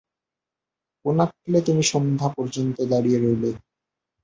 কোন আক্কেলে তুমি সন্ধ্যা পর্যন্ত দাঁড়িয়ে রইলে!